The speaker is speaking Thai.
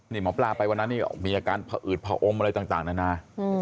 นี่หมอปลาไปวันนั้นนี่มีอาการผอืดผอมอะไรต่างนานา